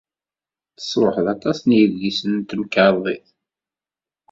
Tesṛuḥ aṭas n yedlisen n temkarḍit.